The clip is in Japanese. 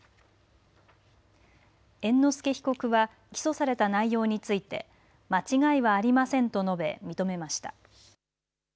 猿之助被告は起訴された内容について間違いはありませんと述べ認めました。